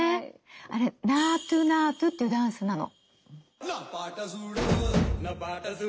あれ「ナートゥ・ナートゥ」っていうダンスなの。